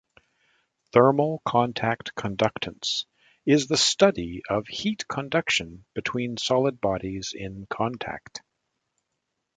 Thermal contact conductance is the study of heat conduction between solid bodies in contact.